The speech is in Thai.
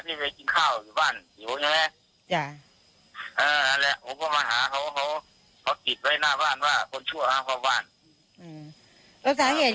ไปกินข้าวอยู่บ้านหิวใช่ไหม